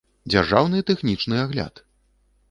дзяржаўны тэхнічны агляд